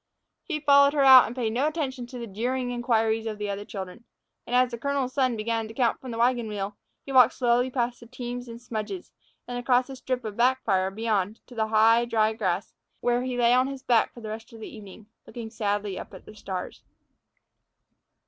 He followed her out and paid no attention to the jeering inquiries of the other children. And as the colonel's son began to count from the wagon wheel he walked slowly past the teams and smudges, and across a strip of backfire beyond, to the high, dry grass, where he lay on his back for the rest of the evening, looking sadly up at the stars.